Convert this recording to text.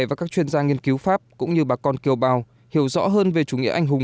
và các chuyên gia nghiên cứu pháp cũng như bà con kiều bào hiểu rõ hơn về chủ nghĩa anh hùng